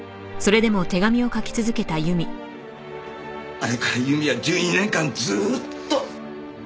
あれから由美は１２年間ずーっと。